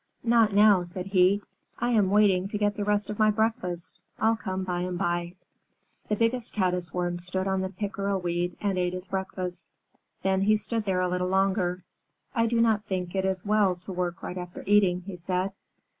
"Not now," said he. "I am waiting to get the rest of my breakfast. I'll come by and by." The Biggest Caddis Worm stood on the pickerel weed and ate his breakfast. Then he stood there a while longer. "I do not think it is well to work right after eating," he said.